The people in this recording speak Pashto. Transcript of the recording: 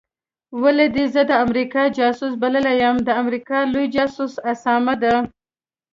ولي دي زه د امریکا جاسوس بللی یم د امریکا لوی دښمن اسامه دی